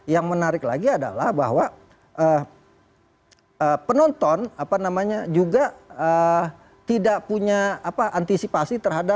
yang menarik lagi adalah bahwa penonton apa namanya juga tidak punya antisipasi terhadap